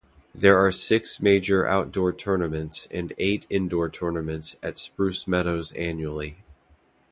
There are six major outdoor tournaments and eight indoor tournaments at Spruce Meadows annually.